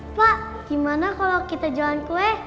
pak gimana kalau kita jualan kue